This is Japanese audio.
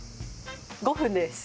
５分です。